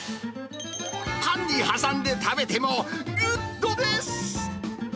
パンに挟んで食べてもグッドです。